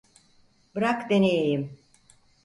Bırak deneyeyim.